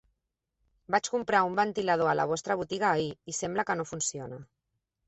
Vaig comprar un ventilador a la vostra botiga ahir i sembla que no funciona.